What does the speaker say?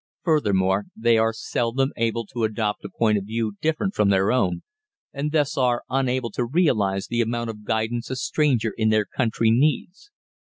Furthermore, they are seldom able to adopt a point of view different from their own, and thus are unable to realise the amount of guidance a stranger in their country needs.